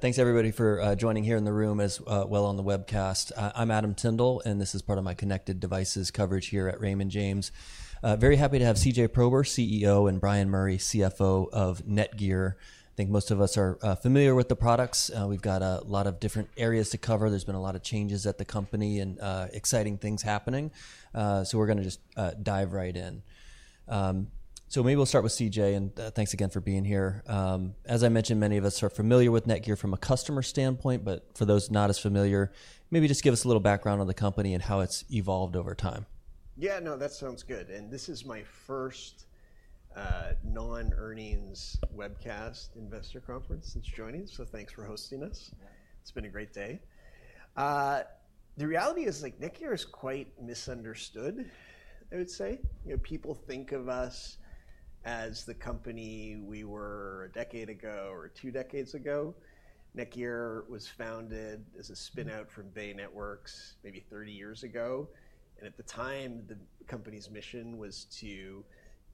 Thanks, everybody, for joining here in the room as well on the webcast. I'm Adam Tindle, and this is part of my connected devices coverage here at Raymond James. Very happy to have CJ Prober, CEO, and Bryan Murray, CFO of NETGEAR. I think most of us are familiar with the products. We've got a lot of different areas to cover. There's been a lot of changes at the company and exciting things happening. So we're going to just dive right in. So maybe we'll start with CJ, and thanks again for being here. As I mentioned, many of us are familiar with NETGEAR from a customer standpoint, but for those not as familiar, maybe just give us a little background on the company and how it's evolved over time. Yeah, no, that sounds good. And this is my first non-earnings webcast investor conference since joining, so thanks for hosting us. It's been a great day. The reality is NETGEAR is quite misunderstood, I would say. People think of us as the company we were a decade ago or two decades ago. NETGEAR was founded as a spinout from Bay Networks maybe 30 years ago. And at the time, the company's mission was to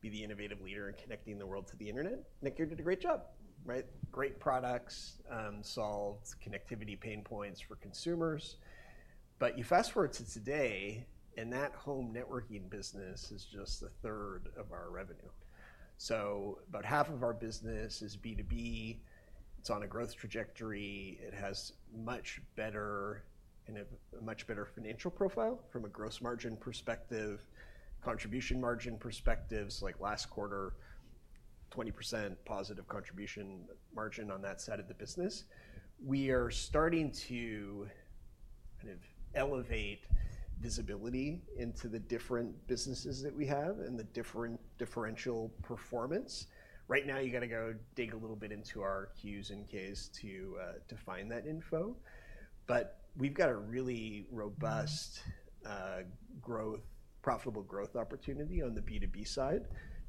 be the innovative leader in connecting the world to the internet. NETGEAR did a great job, right? Great products, solved connectivity pain points for consumers. But you fast forward to today, and that home networking business is just a third of our revenue. So about half of our business is B2B. It's on a growth trajectory. It has a much better financial profile from a gross margin perspective, contribution margin perspectives. Like last quarter, 20% positive contribution margin on that side of the business. We are starting to kind of elevate visibility into the different businesses that we have and the different differential performance. Right now, you got to go dig a little bit into our Qs and Ks to find that info. But we've got a really robust profitable growth opportunity on the B2B side.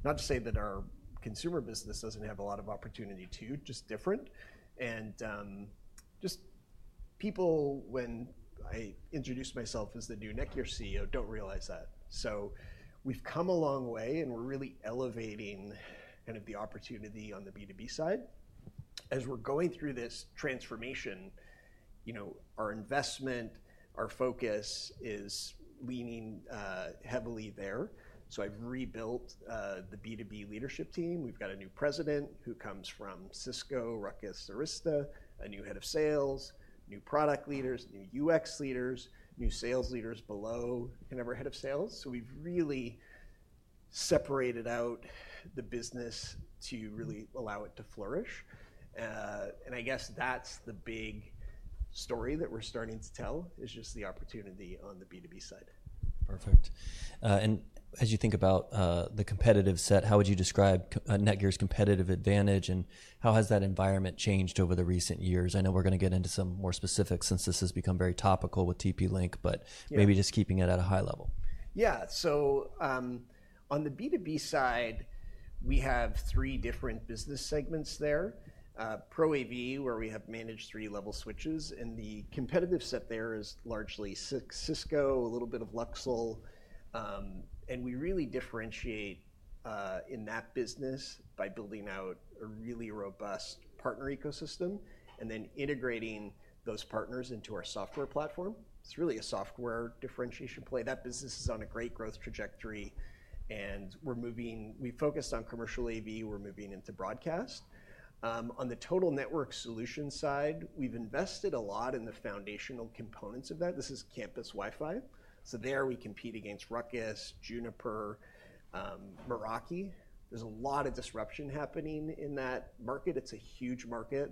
Not to say that our consumer business doesn't have a lot of opportunity too, just different, and just people, when I introduce myself as the new NETGEAR CEO, don't realize that, so we've come a long way, and we're really elevating kind of the opportunity on the B2B side. As we're going through this transformation, our investment, our focus is leaning heavily there. So I've rebuilt the B2B leadership team. We've got a new president who comes from Cisco, Ruckus, Arista, a new head of sales, new product leaders, new UX leaders, new sales leaders below kind of our head of sales, so we've really separated out the business to really allow it to flourish, and I guess that's the big story that we're starting to tell is just the opportunity on the B2B side. Perfect. And as you think about the competitive set, how would you describe NETGEAR's competitive advantage and how has that environment changed over the recent years? I know we're going to get into some more specifics since this has become very topical with TP-Link, but maybe just keeping it at a high level. Yeah, so on the B2B side, we have three different business segments there: ProAV, where we have managed three-level switches, and the competitive set there is largely Cisco, a little bit of Luxul. And we really differentiate in that business by building out a really robust partner ecosystem and then integrating those partners into our software platform. It's really a software differentiation play. That business is on a great growth trajectory. And we're moving. We focused on commercial AV. We're moving into broadcast. On the Total Network Solution side, we've invested a lot in the foundational components of that. This is campus Wi-Fi. So there we compete against Ruckus, Juniper, Meraki. There's a lot of disruption happening in that market. It's a huge market,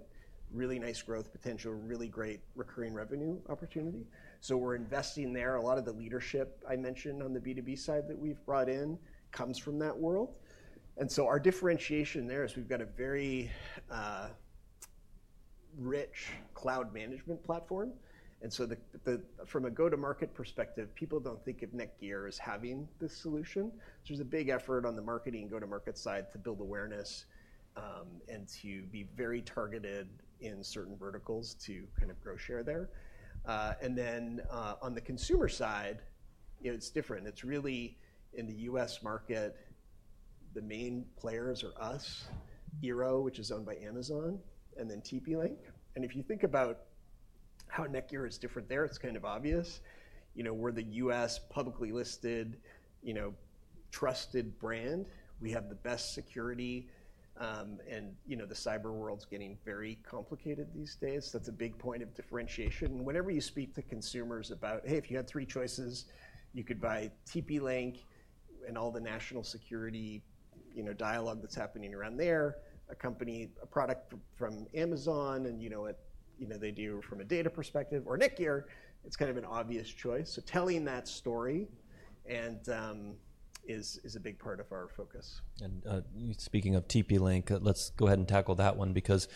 really nice growth potential, really great recurring revenue opportunity. So we're investing there. A lot of the leadership I mentioned on the B2B side that we've brought in comes from that world. And so our differentiation there is we've got a very rich cloud management platform. And so from a go-to-market perspective, people don't think of NETGEAR as having this solution. There's a big effort on the marketing go-to-market side to build awareness and to be very targeted in certain verticals to kind of grow share there. And then on the consumer side, it's different. It's really in the U.S. market, the main players are us, eero, which is owned by Amazon, and then TP-Link. And if you think about how NETGEAR is different there, it's kind of obvious. We're the U.S. publicly listed trusted brand. We have the best security. And the cyber world's getting very complicated these days. That's a big point of differentiation. Whenever you speak to consumers about, "Hey, if you had three choices, you could buy TP-Link and all the national security dialogue that's happening around there, a product from Amazon, and what they do from a data perspective," or NETGEAR, it's kind of an obvious choice. So telling that story is a big part of our focus. Speaking of TP-Link, let's go ahead and tackle that one because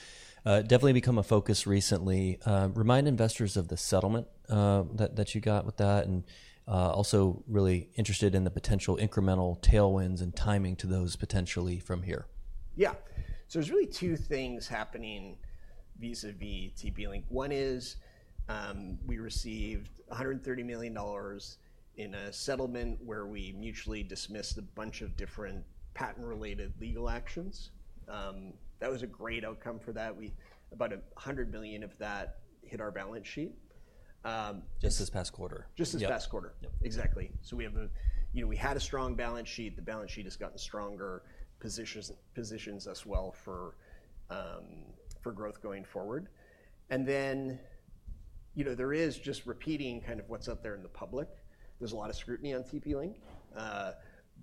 it definitely became a focus recently. Remind investors of the settlement that you got with that and also really interested in the potential incremental tailwinds and timing to those potentially from here. Yeah, so there's really two things happening vis-à-vis TP-Link. One is we received $130 million in a settlement where we mutually dismissed a bunch of different patent-related legal actions. That was a great outcome for that. About $100 million of that hit our balance sheet. Just this past quarter. Just this past quarter. Exactly. So we had a strong balance sheet. The balance sheet has gotten stronger, positions us well for growth going forward. And then there is just repeating kind of what's out there in the public. There's a lot of scrutiny on TP-Link.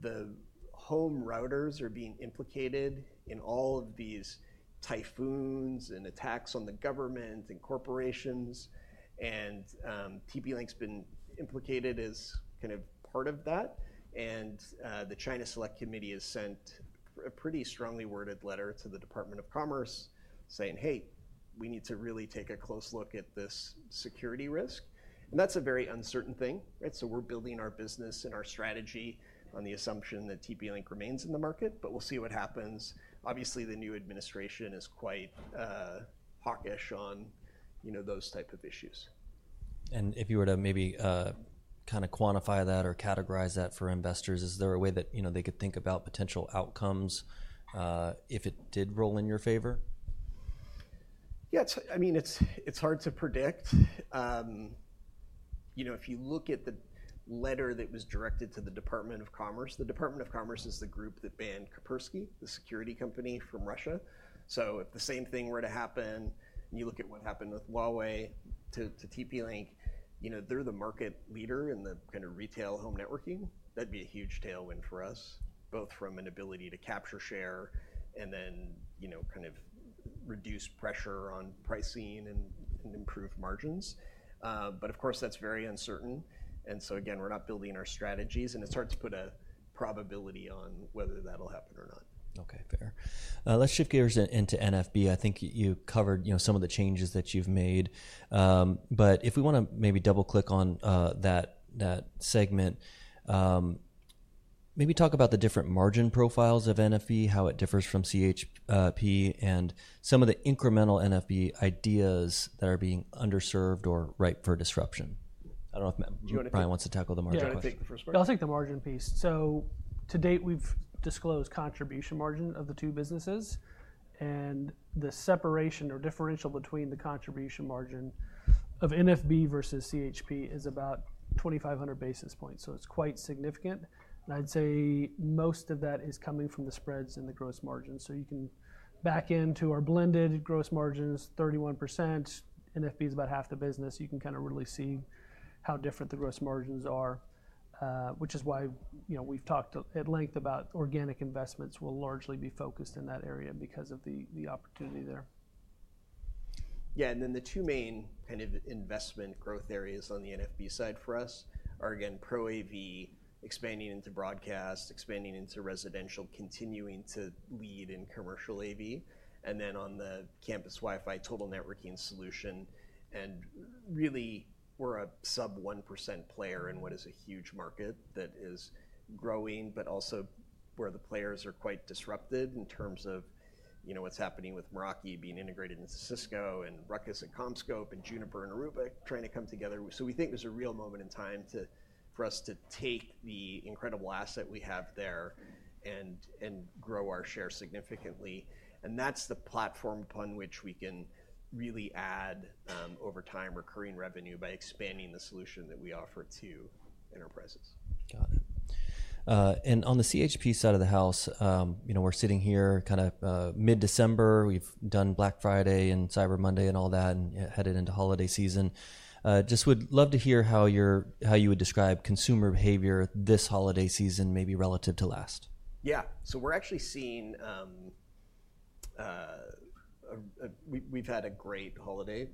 The home routers are being implicated in all of these Trojans and attacks on the government and corporations. And TP-Link's been implicated as kind of part of that. And the China Select Committee has sent a pretty strongly worded letter to the Department of Commerce saying, "Hey, we need to really take a close look at this security risk." And that's a very uncertain thing. So we're building our business and our strategy on the assumption that TP-Link remains in the market, but we'll see what happens. Obviously, the new administration is quite hawkish on those types of issues. If you were to maybe kind of quantify that or categorize that for investors, is there a way that they could think about potential outcomes if it did roll in your favor? Yeah, I mean, it's hard to predict. If you look at the letter that was directed to the Department of Commerce, the Department of Commerce is the group that banned Kaspersky, the security company from Russia. So if the same thing were to happen, and you look at what happened with Huawei to TP-Link, they're the market leader in the kind of retail home networking, that'd be a huge tailwind for us, both from an ability to capture share and then kind of reduce pressure on pricing and improve margins. But of course, that's very uncertain. And so again, we're not building our strategies, and it's hard to put a probability on whether that'll happen or not. Okay, fair. Let's shift gears into NFB. I think you covered some of the changes that you've made. But if we want to maybe double-click on that segment, maybe talk about the different margin profiles of NFB, how it differs from CHP, and some of the incremental NFB ideas that are being underserved or ripe for disruption. I don't know if Bryan wants to tackle the margin question. Yeah, I think the margin piece. So to date, we've disclosed contribution margin of the two businesses. And the separation or differential between the contribution margin of NFB versus CHP is about 2,500 basis points. So it's quite significant. And I'd say most of that is coming from the spreads and the gross margins. So you can back into our blended gross margins, 31%. NFB is about half the business. You can kind of really see how different the gross margins are, which is why we've talked at length about organic investments will largely be focused in that area because of the opportunity there. Yeah, and then the two main kind of investment growth areas on the NFB side for us are, again, ProAV expanding into broadcast, expanding into residential, continuing to lead in commercial AV, and then on the campus Wi-Fi total networking solution. And really, we're a sub 1% player in what is a huge market that is growing, but also where the players are quite disrupted in terms of what's happening with Meraki being integrated into Cisco and Ruckus and CommScope and Juniper and Aruba trying to come together. So we think there's a real moment in time for us to take the incredible asset we have there and grow our share significantly. And that's the platform upon which we can really add over time recurring revenue by expanding the solution that we offer to enterprises. Got it. And on the CHP side of the house, we're sitting here kind of mid-December. We've done Black Friday and Cyber Monday and all that and headed into holiday season. Just would love to hear how you would describe consumer behavior this holiday season, maybe relative to last. Yeah, so we're actually seeing we've had a great holiday.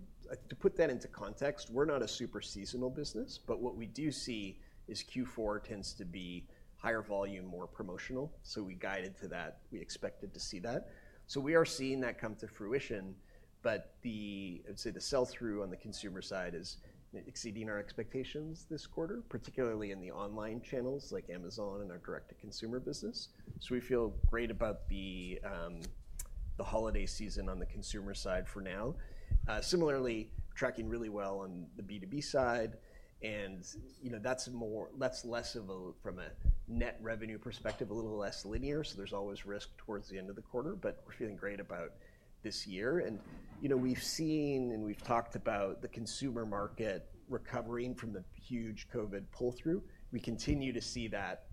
To put that into context, we're not a super seasonal business, but what we do see is Q4 tends to be higher volume, more promotional. So we guided to that. We expected to see that. So we are seeing that come to fruition. But I would say the sell-through on the consumer side is exceeding our expectations this quarter, particularly in the online channels like Amazon and our direct-to-consumer business. So we feel great about the holiday season on the consumer side for now. Similarly, tracking really well on the B2B side. And that's less of a, from a net revenue perspective, a little less linear. So there's always risk towards the end of the quarter, but we're feeling great about this year. And we've seen and we've talked about the consumer market recovering from the huge COVID pull-through. We continue to see that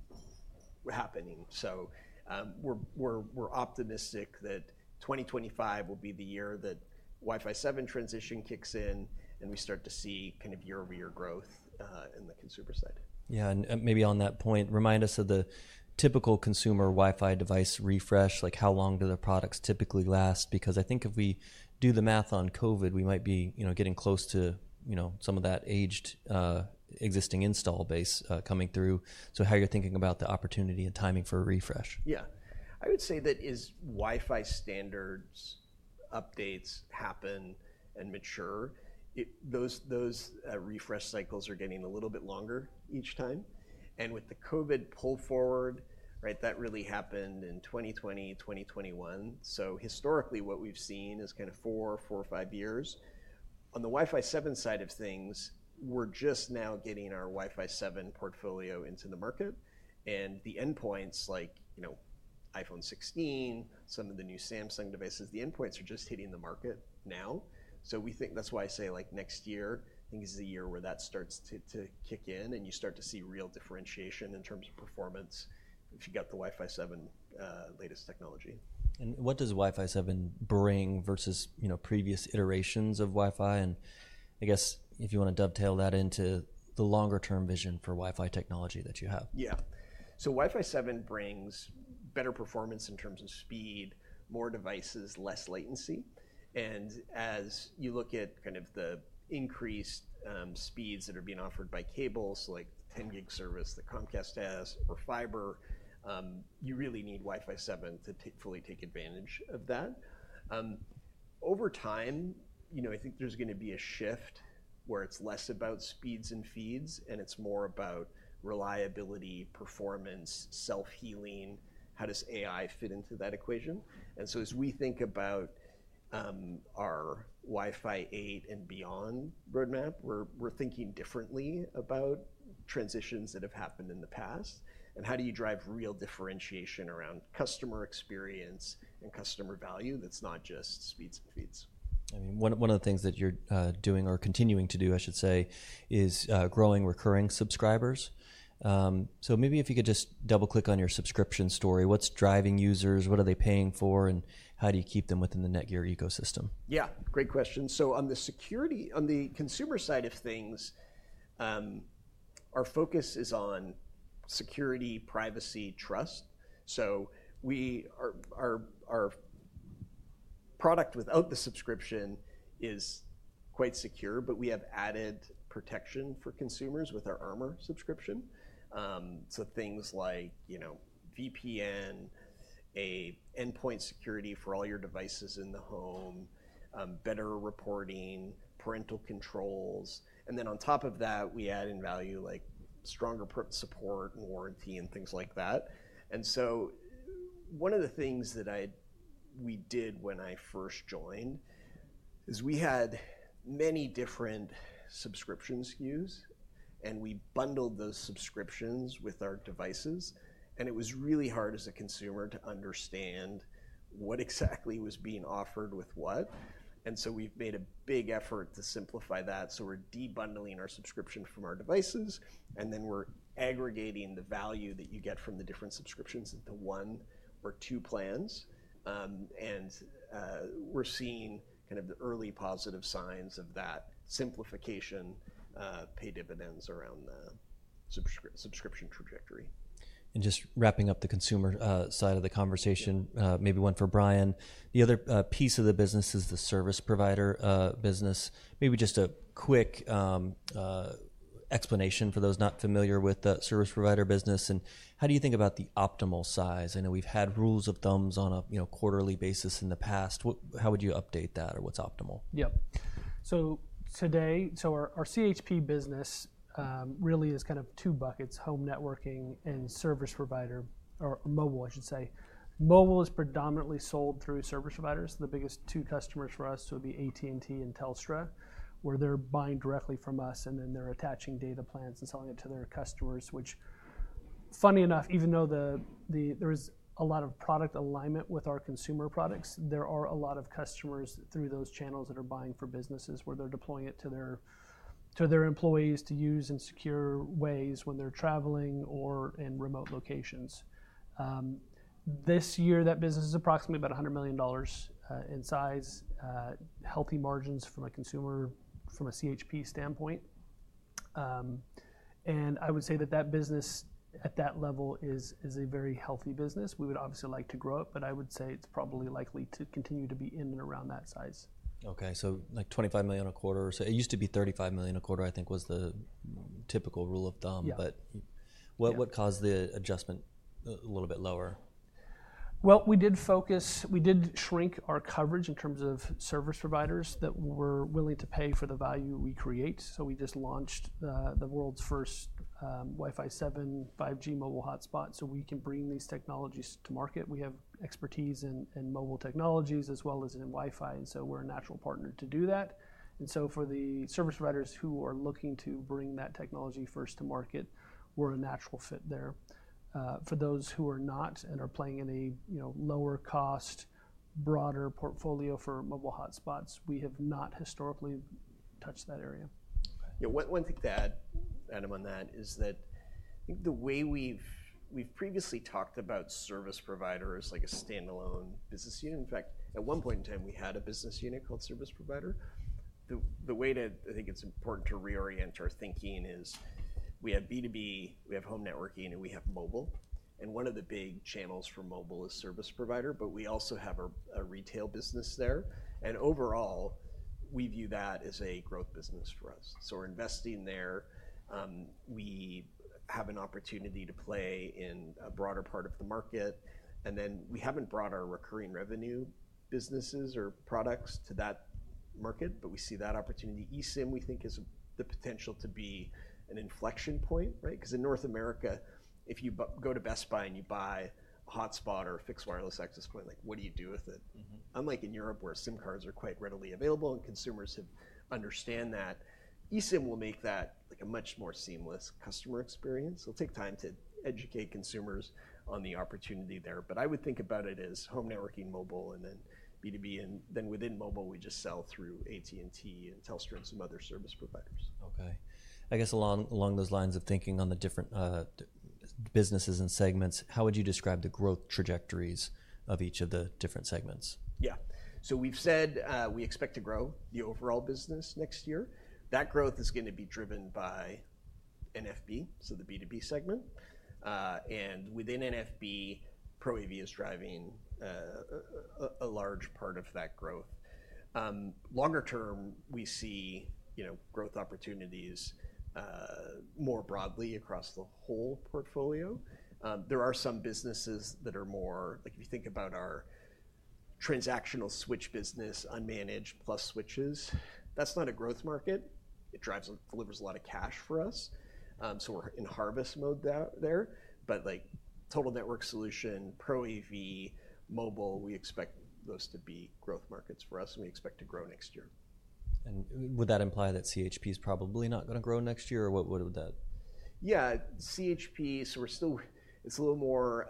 happening. So we're optimistic that 2025 will be the year that Wi-Fi 7 transition kicks in and we start to see kind of year-over-year growth in the consumer side. Yeah, and maybe on that point, remind us of the typical consumer Wi-Fi device refresh. Like how long do the products typically last? Because I think if we do the math on COVID, we might be getting close to some of that aged existing install base coming through. So how are you thinking about the opportunity and timing for a refresh? Yeah, I would say that as Wi-Fi standards updates happen and mature, those refresh cycles are getting a little bit longer each time. And with the COVID pull forward, that really happened in 2020, 2021. So historically, what we've seen is kind of four, four or five years. On the Wi-Fi 7 side of things, we're just now getting our Wi-Fi 7 portfolio into the market. And the endpoints like iPhone 16, some of the new Samsung devices, the endpoints are just hitting the market now. So we think that's why I say like next year I think is the year where that starts to kick in and you start to see real differentiation in terms of performance if you've got the Wi-Fi 7 latest technology. And what does Wi-Fi 7 bring versus previous iterations of Wi-Fi? And I guess if you want to dovetail that into the longer-term vision for Wi-Fi technology that you have. Yeah, so Wi-Fi 7 brings better performance in terms of speed, more devices, less latency. And as you look at kind of the increased speeds that are being offered by cables, like 10 gig service, the Comcast has, or fiber, you really need Wi-Fi 7 to fully take advantage of that. Over time, I think there's going to be a shift where it's less about speeds and feeds, and it's more about reliability, performance, self-healing, how does AI fit into that equation? And so as we think about our Wi-Fi 8 and beyond roadmap, we're thinking differently about transitions that have happened in the past. And how do you drive real differentiation around customer experience and customer value that's not just speeds and feeds? I mean, one of the things that you're doing or continuing to do, I should say, is growing recurring subscribers. So maybe if you could just double-click on your subscription story, what's driving users? What are they paying for? And how do you keep them within the NETGEAR ecosystem? Yeah, great question. So on the consumer side of things, our focus is on security, privacy, trust. So our product without the subscription is quite secure, but we have added protection for consumers with our Armor subscription. So things like VPN, an endpoint security for all your devices in the home, better reporting, parental controls. And then on top of that, we add in value like stronger support and warranty and things like that. And so one of the things that we did when I first joined is we had many different subscription SKUs, and we bundled those subscriptions with our devices. And it was really hard as a consumer to understand what exactly was being offered with what. And so we've made a big effort to simplify that. We're debundling our subscription from our devices, and then we're aggregating the value that you get from the different subscriptions into one or two plans. We're seeing kind of the early positive signs of that simplification pay dividends around the subscription trajectory. Just wrapping up the consumer side of the conversation, maybe one for Bryan. The other piece of the business is the service provider business. Maybe just a quick explanation for those not familiar with the service provider business. And how do you think about the optimal size? I know we've had rules of thumb on a quarterly basis in the past. How would you update that or what's optimal? Yeah, so today, our CHP business really is kind of two buckets: home networking and service provider, or mobile, I should say. Mobile is predominantly sold through service providers. The biggest two customers for us would be AT&T and Telstra, where they're buying directly from us, and then they're attaching data plans and selling it to their customers, which, funny enough, even though there is a lot of product alignment with our consumer products, there are a lot of customers through those channels that are buying for businesses where they're deploying it to their employees to use in secure ways when they're traveling or in remote locations. This year, that business is approximately about $100 million in size, healthy margins from a consumer, from a CHP standpoint, and I would say that that business at that level is a very healthy business. We would obviously like to grow it, but I would say it's probably likely to continue to be in and around that size. Okay, so like $25 million a quarter. So it used to be $35 million a quarter, I think, was the typical rule of thumb. But what caused the adjustment a little bit lower? We did focus, we did shrink our coverage in terms of service providers that were willing to pay for the value we create. So we just launched the world's first Wi-Fi 7 5G mobile hotspot. So we can bring these technologies to market. We have expertise in mobile technologies as well as in Wi-Fi. And so we're a natural partner to do that. And so for the service providers who are looking to bring that technology first to market, we're a natural fit there. For those who are not and are playing in a lower-cost, broader portfolio for mobile hotspots, we have not historically touched that area. Yeah, one thing to add, Adam, on that is that I think the way we've previously talked about service providers like a standalone business unit. In fact, at one point in time, we had a business unit called service provider. The way that I think it's important to reorient our thinking is we have B2B, we have home networking, and we have mobile. And one of the big channels for mobile is service provider, but we also have a retail business there. And overall, we view that as a growth business for us. So we're investing there. We have an opportunity to play in a broader part of the market. And then we haven't brought our recurring revenue businesses or products to that market, but we see that opportunity. eSIM, we think, has the potential to be an inflection point, right? Because in North America, if you go to Best Buy and you buy a hotspot or a fixed wireless access point, like what do you do with it? Unlike in Europe, where SIM cards are quite readily available and consumers understand that, eSIM will make that a much more seamless customer experience. It'll take time to educate consumers on the opportunity there. But I would think about it as home networking, mobile, and then B2B. And then within mobile, we just sell through AT&T and Telstra and some other service providers. Okay, I guess along those lines of thinking on the different businesses and segments, how would you describe the growth trajectories of each of the different segments? Yeah, so we've said we expect to grow the overall business next year. That growth is going to be driven by NFB, so the B2B segment. And within NFB, ProAV is driving a large part of that growth. Longer term, we see growth opportunities more broadly across the whole portfolio. There are some businesses that are more, like if you think about our transactional switch business, Unmanaged Plus switches, that's not a growth market. It drives and delivers a lot of cash for us. So we're in harvest mode there. But Total Network Solution, ProAV, mobile, we expect those to be growth markets for us, and we expect to grow next year. Would that imply that CHP is probably not going to grow next year? Or what would that? Yeah, CHP, so we're still. It's a little more.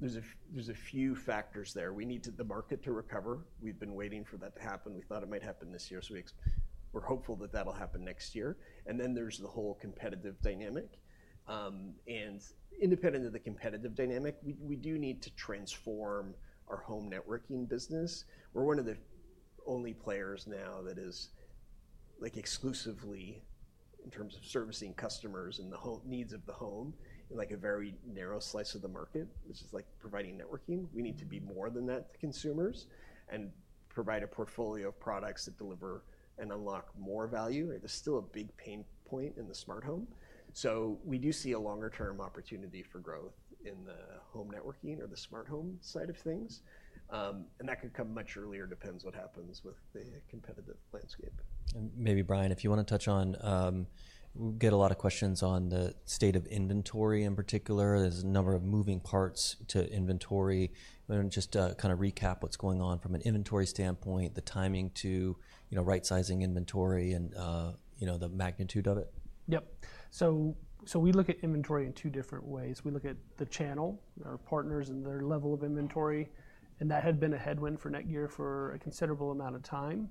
There's a few factors there. We need the market to recover. We've been waiting for that to happen. We thought it might happen this year. So we're hopeful that that'll happen next year. And then there's the whole competitive dynamic. And independent of the competitive dynamic, we do need to transform our home networking business. We're one of the only players now that is exclusively in terms of servicing customers and the needs of the home in a very narrow slice of the market, which is like providing networking. We need to be more than that to consumers and provide a portfolio of products that deliver and unlock more value. It is still a big pain point in the smart home. So we do see a longer-term opportunity for growth in the home networking or the smart home side of things. That could come much earlier. Depends what happens with the competitive landscape. Maybe, Bryan, if you want to touch on, we get a lot of questions on the state of inventory in particular. There's a number of moving parts to inventory. Just to kind of recap what's going on from an inventory standpoint, the timing to right-sizing inventory and the magnitude of it. Yep, so we look at inventory in two different ways. We look at the channel, our partners and their level of inventory. And that had been a headwind for NETGEAR for a considerable amount of time.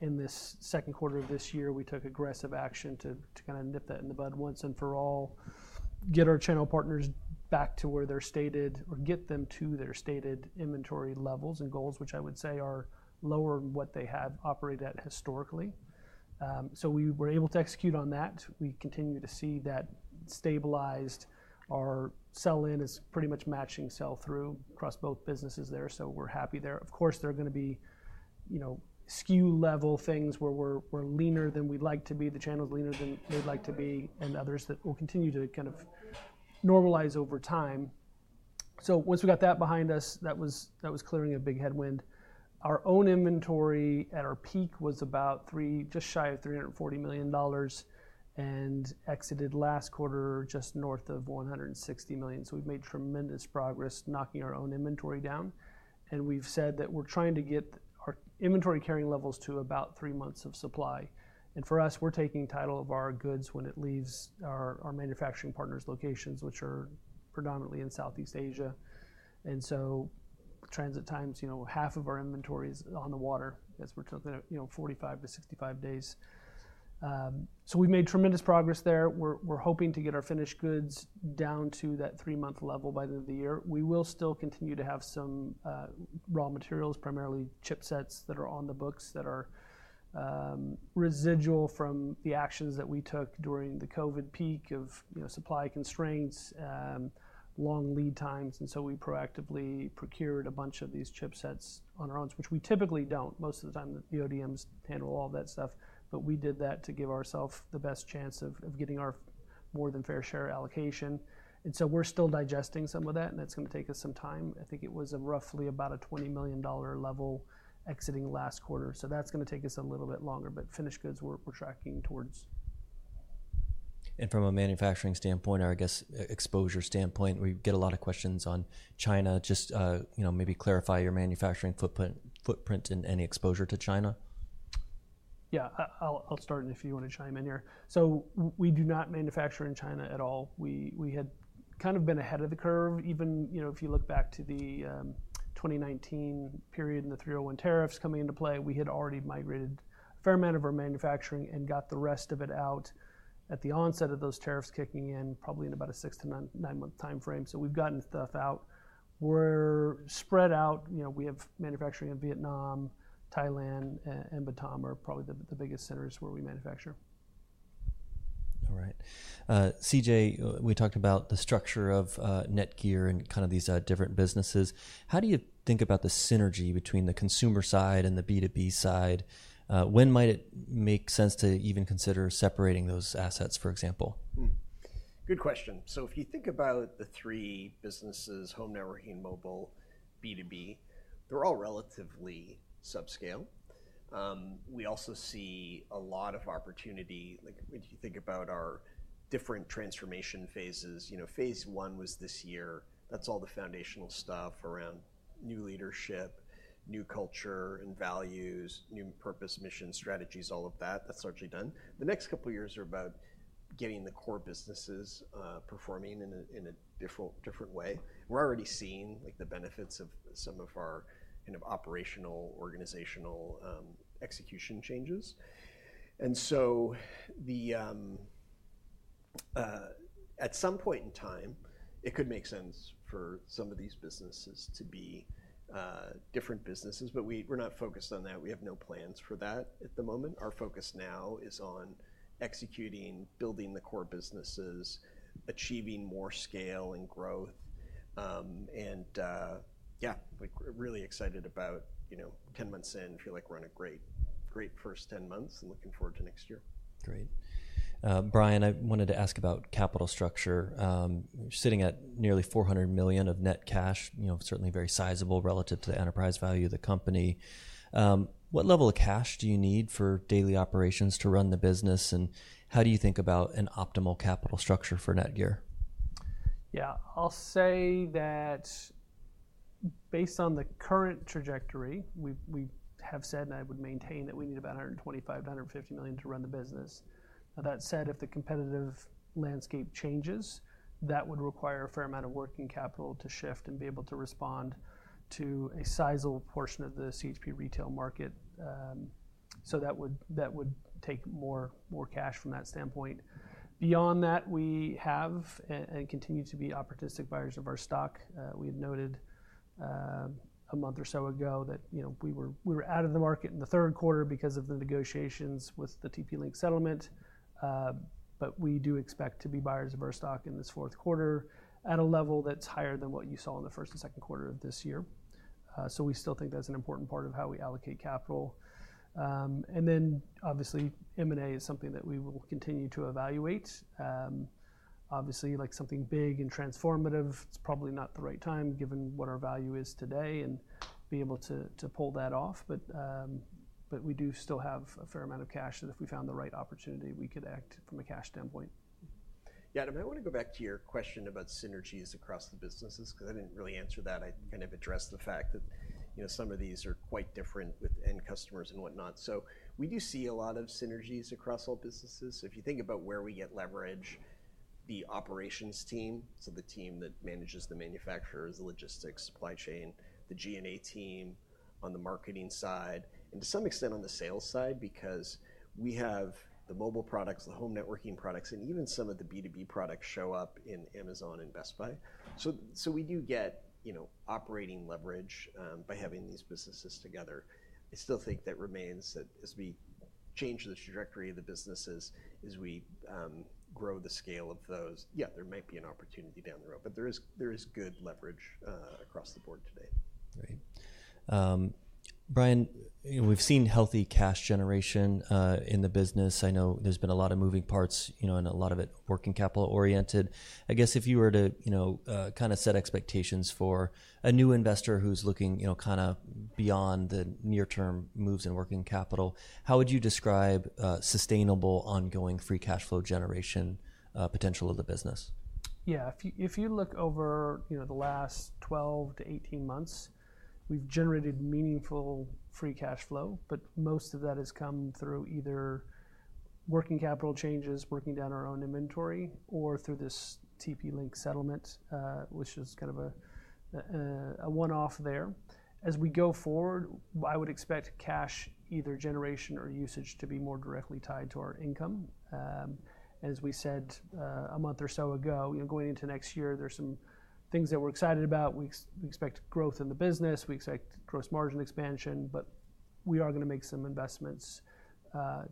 In this second quarter of this year, we took aggressive action to kind of nip that in the bud once and for all, get our channel partners back to where they're stated or get them to their stated inventory levels and goals, which I would say are lower than what they have operated at historically. So we were able to execute on that. We continue to see that stabilized. Our sell-in is pretty much matching sell-through across both businesses there. So we're happy there. Of course, there are going to be SKU level things where we're leaner than we'd like to be, the channels leaner than we'd like to be, and others that will continue to kind of normalize over time. So once we got that behind us, that was clearing a big headwind. Our own inventory at our peak was about just shy of $340 million and exited last quarter just north of $160 million. So we've made tremendous progress knocking our own inventory down. And we've said that we're trying to get our inventory carrying levels to about three months of supply. And for us, we're taking title of our goods when it leaves our manufacturing partners' locations, which are predominantly in Southeast Asia. And so transit times, half of our inventory is on the water as we're talking about 45 to 65 days. So we've made tremendous progress there. We're hoping to get our finished goods down to that three-month level by the end of the year. We will still continue to have some raw materials, primarily chipsets that are on the books that are residual from the actions that we took during the COVID peak of supply constraints, long lead times, and so we proactively procured a bunch of these chipsets on our own, which we typically don't. Most of the time, the ODMs handle all of that stuff. But we did that to give ourselves the best chance of getting our more than fair share allocation, and so we're still digesting some of that, and that's going to take us some time. I think it was roughly about a $20 million level exiting last quarter, so that's going to take us a little bit longer, but finished goods we're tracking towards. From a manufacturing standpoint, or I guess exposure standpoint, we get a lot of questions on China. Just maybe clarify your manufacturing footprint and any exposure to China. Yeah, I'll start if you want to chime in here. So we do not manufacture in China at all. We had kind of been ahead of the curve. Even if you look back to the 2019 period and the 301 tariffs coming into play, we had already migrated a fair amount of our manufacturing and got the rest of it out at the onset of those tariffs kicking in, probably in about a six- to nine-month timeframe. So we've gotten stuff out. We're spread out. We have manufacturing in Vietnam, Thailand, and Batam, are probably the biggest centers where we manufacture. All right, CJ, we talked about the structure of NETGEAR and kind of these different businesses. How do you think about the synergy between the consumer side and the B2B side? When might it make sense to even consider separating those assets, for example? Good question. So if you think about the three businesses, home networking, mobile, B2B, they're all relatively subscale. We also see a lot of opportunity. When you think about our different transformation phases, phase one was this year. That's all the foundational stuff around new leadership, new culture and values, new purpose, mission, strategies, all of that. That's largely done. The next couple of years are about getting the core businesses performing in a different way. We're already seeing the benefits of some of our kind of operational, organizational execution changes. And so at some point in time, it could make sense for some of these businesses to be different businesses, but we're not focused on that. We have no plans for that at the moment. Our focus now is on executing, building the core businesses, achieving more scale and growth. And yeah, we're really excited about 10 months in. I feel like we're on a great first 10 months and looking forward to next year. Great. Bryan, I wanted to ask about capital structure. You're sitting at nearly $400 million of net cash, certainly very sizable relative to the enterprise value of the company. What level of cash do you need for daily operations to run the business? And how do you think about an optimal capital structure for NETGEAR? Yeah, I'll say that based on the current trajectory, we have said, and I would maintain that we need about $125 million-$150 million to run the business. That said, if the competitive landscape changes, that would require a fair amount of working capital to shift and be able to respond to a sizable portion of the CHP retail market. So that would take more cash from that standpoint. Beyond that, we have and continue to be opportunistic buyers of our stock. We had noted a month or so ago that we were out of the market in the third quarter because of the negotiations with the TP-Link settlement. But we do expect to be buyers of our stock in this fourth quarter at a level that's higher than what you saw in the first and second quarter of this year. So we still think that's an important part of how we allocate capital. And then obviously, M&A is something that we will continue to evaluate. Obviously, like something big and transformative, it's probably not the right time given what our value is today and be able to pull that off. But we do still have a fair amount of cash that if we found the right opportunity, we could act from a cash standpoint. Yeah, I want to go back to your question about synergies across the businesses because I didn't really answer that. I kind of addressed the fact that some of these are quite different with end customers and whatnot. So we do see a lot of synergies across all businesses. If you think about where we get leverage, the operations team, so the team that manages the manufacturers, the logistics, supply chain, the G&A team on the marketing side, and to some extent on the sales side, because we have the mobile products, the home networking products, and even some of the B2B products show up in Amazon and Best Buy. So we do get operating leverage by having these businesses together. I still think that remains that as we change the trajectory of the businesses, as we grow the scale of those, yeah, there might be an opportunity down the road, but there is good leverage across the board today. Right. Bryan, we've seen healthy cash generation in the business. I know there's been a lot of moving parts and a lot of it working capital oriented. I guess if you were to kind of set expectations for a new investor who's looking kind of beyond the near-term moves in working capital, how would you describe sustainable ongoing free cash flow generation potential of the business? Yeah, if you look over the last 12-18 months, we've generated meaningful free cash flow, but most of that has come through either working capital changes, working down our own inventory, or through this TP-Link settlement, which is kind of a one-off there. As we go forward, I would expect cash either generation or usage to be more directly tied to our income. As we said a month or so ago, going into next year, there's some things that we're excited about. We expect growth in the business. We expect gross margin expansion, but we are going to make some investments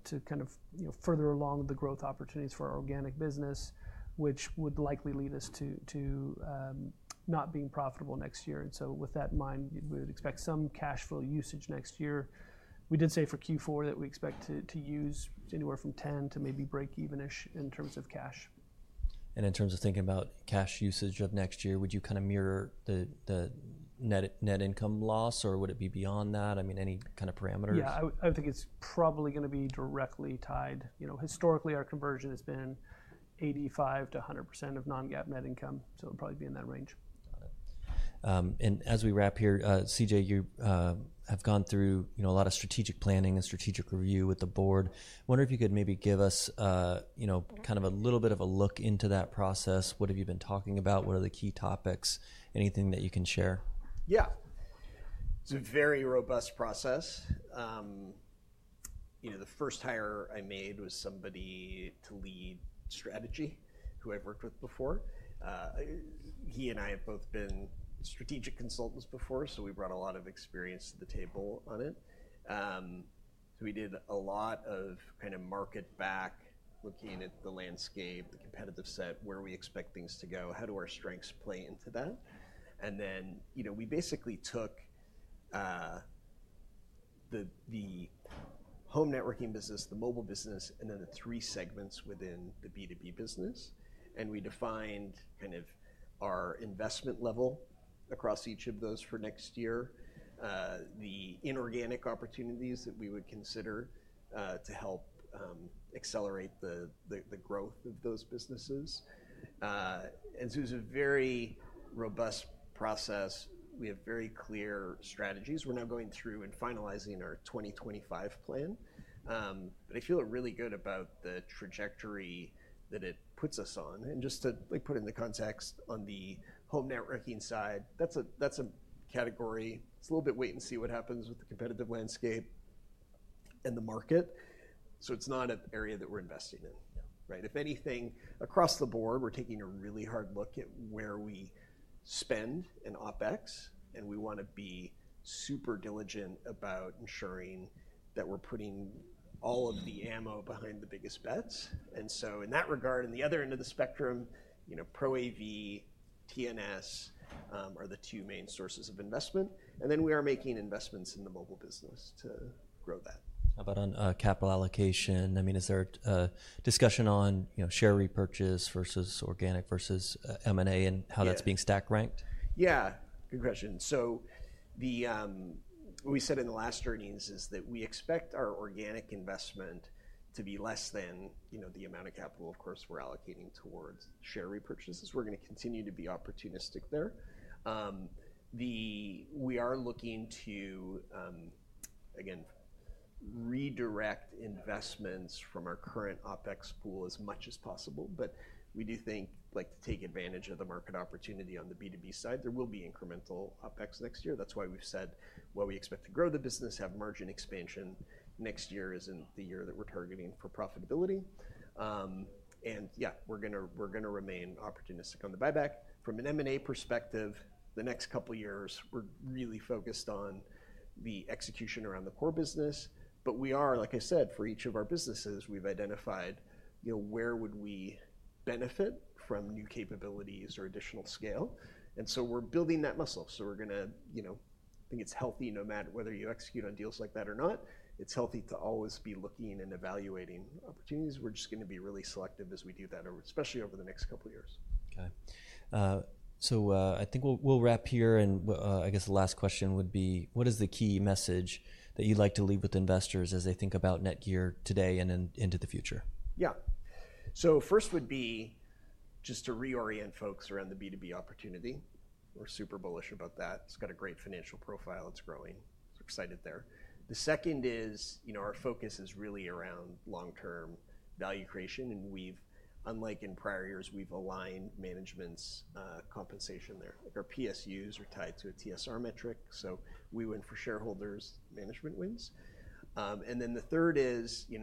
to kind of further along the growth opportunities for our organic business, which would likely lead us to not being profitable next year, and so with that in mind, we would expect some cash flow usage next year. We did say for Q4 that we expect to use anywhere from 10 to maybe break even-ish in terms of cash. In terms of thinking about cash usage of next year, would you kind of mirror the net income loss or would it be beyond that? I mean, any kind of parameters? Yeah, I think it's probably going to be directly tied. Historically, our conversion has been 85%-100% of non-GAAP net income. So it'll probably be in that range. And as we wrap here, CJ, you have gone through a lot of strategic planning and strategic review with the board. I wonder if you could maybe give us kind of a little bit of a look into that process. What have you been talking about? What are the key topics? Anything that you can share? Yeah, it's a very robust process. The first hire I made was somebody to lead strategy who I've worked with before. He and I have both been strategic consultants before, so we brought a lot of experience to the table on it. So we did a lot of kind of market back, looking at the landscape, the competitive set, where we expect things to go, how do our strengths play into that. And then we basically took the home networking business, the mobile business, and then the three segments within the B2B business. And we defined kind of our investment level across each of those for next year, the inorganic opportunities that we would consider to help accelerate the growth of those businesses. And so it's a very robust process. We have very clear strategies. We're now going through and finalizing our 2025 plan. But I feel really good about the trajectory that it puts us on. And just to put it in the context on the home networking side, that's a category. It's a little bit wait and see what happens with the competitive landscape and the market. So it's not an area that we're investing in. If anything, across the board, we're taking a really hard look at where we spend and OpEx, and we want to be super diligent about ensuring that we're putting all of the ammo behind the biggest bets. And so in that regard, on the other end of the spectrum, ProAV, TNS are the two main sources of investment. And then we are making investments in the mobile business to grow that. How about on capital allocation? I mean, is there a discussion on share repurchase versus organic versus M&A and how that's being stack ranked? Yeah, good question, so what we said in the last earnings is that we expect our organic investment to be less than the amount of capital, of course, we're allocating towards share repurchases. We're going to continue to be opportunistic there. We are looking to, again, redirect investments from our current OpEx pool as much as possible, but we do think to take advantage of the market opportunity on the B2B side. There will be incremental OpEx next year. That's why we've said what we expect to grow the business, have margin expansion. Next year isn't the year that we're targeting for profitability, and yeah, we're going to remain opportunistic on the buyback. From an M&A perspective, the next couple of years, we're really focused on the execution around the core business. But we are, like I said, for each of our businesses, we've identified where would we benefit from new capabilities or additional scale. And so we're building that muscle. So we're going to think it's healthy no matter whether you execute on deals like that or not. It's healthy to always be looking and evaluating opportunities. We're just going to be really selective as we do that, especially over the next couple of years. Okay. So I think we'll wrap here, and I guess the last question would be, what is the key message that you'd like to leave with investors as they think about NETGEAR today and into the future? Yeah. So first would be just to reorient folks around the B2B opportunity. We're super bullish about that. It's got a great financial profile. It's growing. We're excited there. The second is our focus is really around long-term value creation. And unlike in prior years, we've aligned management's compensation there. Our PSUs are tied to a TSR metric. So we win for shareholders, management wins. And then the third is in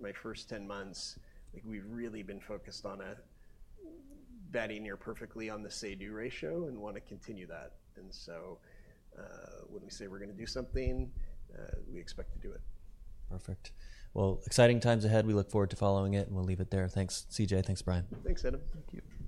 my first 10 months, we've really been focused on batting near perfectly on the say-do ratio and want to continue that. And so when we say we're going to do something, we expect to do it. Perfect. Well, exciting times ahead. We look forward to following it, and we'll leave it there. Thanks, CJ. Thanks, Bryan. Thanks, Adam. Thank you.